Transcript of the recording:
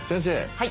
はい。